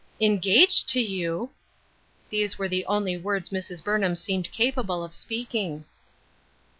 " Engaged to you !" These were the only words Mrs. Burnham seemed capable of speaking.